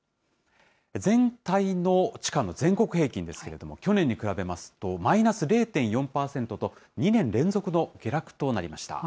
全体の地価の全国平均ですけれども、去年に比べますと、マイナス０．４％と、２年連続の下落となりました。